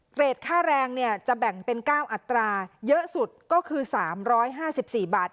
ค่าแรงจะแบ่งเป็น๙อัตราเยอะสุดก็คือ๓๕๔บาท